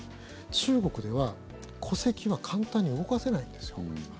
中国では、戸籍は簡単に動かせないんですよ。